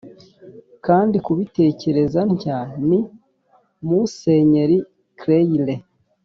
kandi kubitekereza ntya ni musenyeri cleire,